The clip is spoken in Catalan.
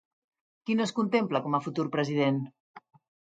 Qui no es contempla com a futur president?